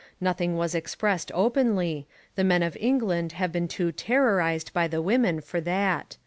Nothing was expressed openly. The men of England have been too terrorised by the women for that.